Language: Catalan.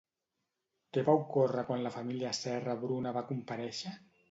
Què va ocórrer quan la família Serra-Bruna va comparèixer?